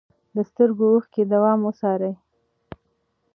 د سترګو اوښکې دوام وڅارئ.